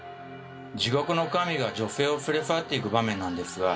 地獄の神が女性を連れ去っていく場面なんですが。